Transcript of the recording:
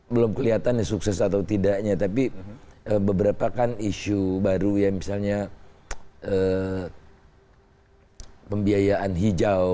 belum kelihatan sukses atau tidaknya tapi beberapa kan isu baru ya misalnya pembiayaan hijau